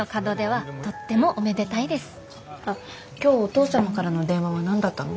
あっ今日お父様からの電話は何だったの？